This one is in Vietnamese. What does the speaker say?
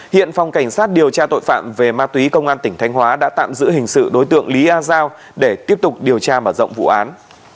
hiện phòng cảnh sát điều tra tội phạm về ma túy công an tỉnh thanh hóa đã tạm giữ hình sự đối tượng lý a giao để tiếp tục điều tra mở rộng vụ án